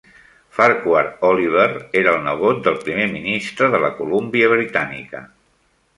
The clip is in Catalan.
Farquhar Oliver era el nebot del primer ministre de la Colúmbia Britànica.